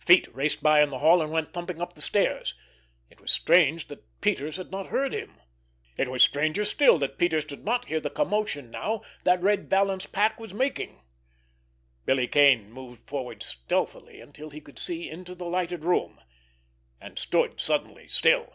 Feet raced by in the hall, and went thumping up the stairs. It was strange that Peters had not heard him! It was stranger still that Peters did not hear the commotion now that Red Vallon's pack was making! Billy Kane moved forward stealthily until he could see into the lighted room—and stood suddenly still.